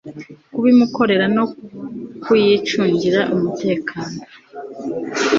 kubimukorera no kuyicungira umutekano